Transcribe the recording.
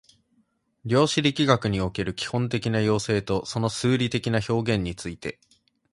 量子力学における基本的な要請とその数理的な表現について